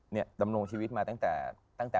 เนี่ยดำนวงชีวิตมาตั้งแต่